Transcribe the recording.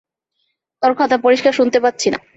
তোর কথা পরিষ্কার শুনতে পাচ্ছি না।